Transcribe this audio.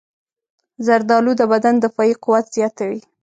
زردالو د بدن دفاعي قوت زیاتوي.